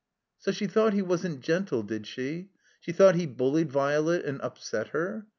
So she thought he wasn't gentle, did she? She thought he bullied Violet and upset her?